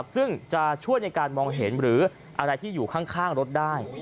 ซึ่งจะช่วยในการมองเห็นหรืออะไรที่อยู่ข้างรถได้